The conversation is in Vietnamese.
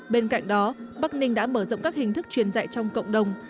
bên cạnh đó bắc ninh đã mở rộng các hình thức truyền dạy trong cộng đồng